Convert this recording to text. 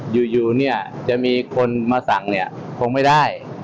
อยู่เนี่ยจะมีคนมาสั่งเนี่ยคงไม่ได้